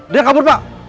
dia kabur pak